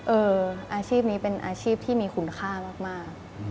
อาชีพนี้เป็นอาชีพที่มีคุณค่ามาก